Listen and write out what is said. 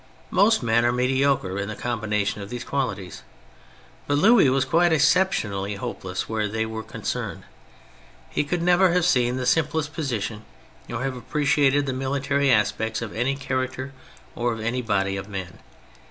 Most men are mediocre in the combination of these qualities. But Louis was quite ex ceptionally hopeless where they were con cerned. He could never have seen the simplest position nor have appreciated the military aspects of any character or of any body of men.